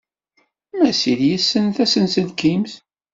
Masil yessen tasenselkimt